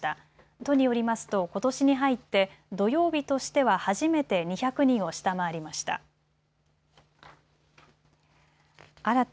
都によりますと、ことしに入って土曜日としては初めて２００人を下回りました。